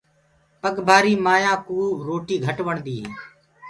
پگ ڀآري مآيآ ڪوُ روٽي گھٽ وڻدي هي۔